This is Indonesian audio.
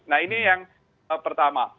nah ini yang pertama